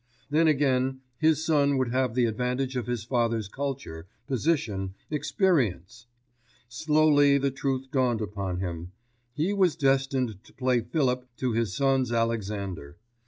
Then again, his son would have the advantage of his father's culture, position, experience. Slowly the truth dawned upon him; he was destined to play Philip to his son's Alexander.